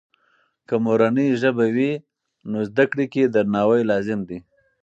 که مورنۍ ژبه وي، نو زده کړې کې درناوی لازم دی.